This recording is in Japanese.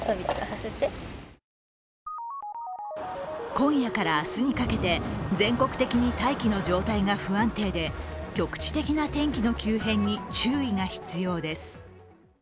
今夜から明日にかけて全国的に大気の状態が不安定で局地的な天気の急変に注意が必要です。